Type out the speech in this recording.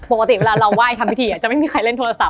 ปกติเวลาเราไหว้ทำพิธีจะไม่มีใครเล่นโทรศัพ